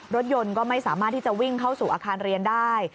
รถยนต์ก็ไม่สามารถที่จะวิ่งเข้าสู่อาคารเรียนได้